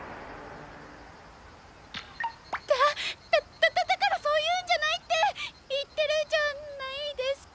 だだだだからそういうんじゃないって言ってるじゃないですか